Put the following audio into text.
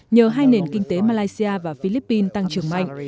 nhờ hai nền kinh tế malaysia và philippines tăng trưởng mạnh